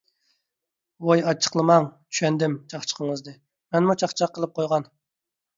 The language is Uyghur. ۋوي ئاچچىقلىماڭ. چۈشەندىم چاقچىقىڭىزنى، مەنمۇ چاقچاق قىلىپ قويغان.